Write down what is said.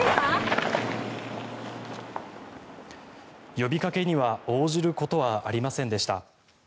呼びかけには応じることはありませんでした。